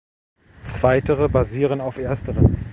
Zweitere basieren auf ersteren.